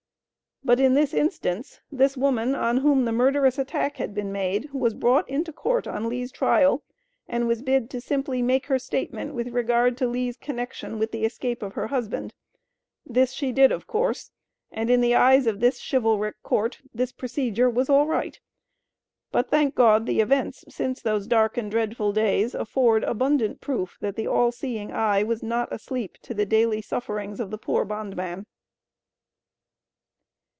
But in this instance, this woman on whom the murderous attack had been made, was brought into court on Lee's trial and was bid to simply make her statement with regard to Lee's connection with the escape of her husband. This she did of course. And in the eyes of this chivalric court, this procedure "was all right." But thank God the events since those dark and dreadful days, afford abundant proof that the All seeing Eye was not asleep to the daily sufferings of the poor bondman.